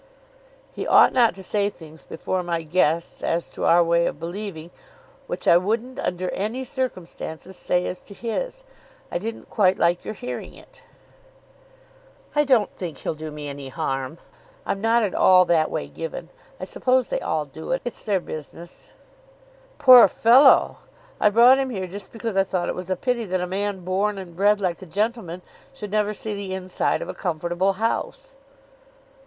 "He ought not to say things before my guests as to our way of believing, which I wouldn't under any circumstances say as to his. I didn't quite like your hearing it." "I don't think he'll do me any harm. I'm not at all that way given. I suppose they all do it. It's their business." "Poor fellow! I brought him here just because I thought it was a pity that a man born and bred like a gentleman should never see the inside of a comfortable house."